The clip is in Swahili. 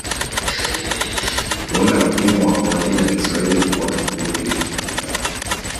kuunda mfumo wa kuandika Kiswahili kwa herufi za